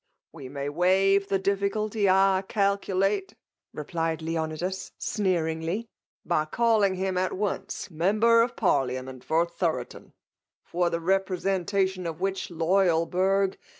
'' We may waive the dilBSculty, I calculate," replied Xjeonidas^ sneeringly, by calling him, at once. Member of Parliament for Thoroten ; for the representation of which loyal burgh 1^ . FT^AhK